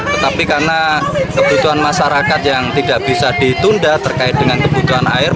tetapi karena kebutuhan masyarakat yang tidak bisa ditunda terkait dengan kebutuhan air